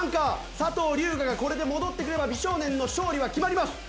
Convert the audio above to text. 佐藤龍我がこれで戻ってくれば美少年の勝利は決まります！